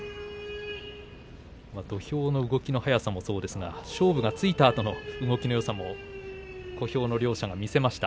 土俵の動きの速さもそうですが、勝負がついたあとの動きのよさも小兵の両者が見せました。